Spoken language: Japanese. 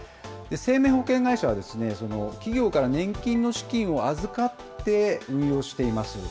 生命保険会社は、企業から年金の資金を預かって運用しています。